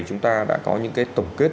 chúng ta đã có những cái tổng kết